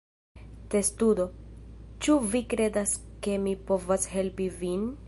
Testudo: "Ĉu vi kredas ke mi povas helpi vin?"